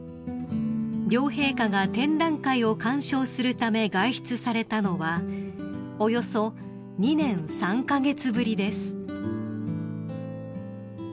［両陛下が展覧会を鑑賞するため外出されたのはおよそ２年３カ月ぶりです］